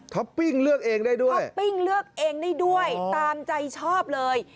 ท็อปปิ้งเลือกเองได้ด้วยตามใจชอบเลย